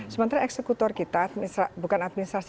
sementara eksekutor kita bukan administrasi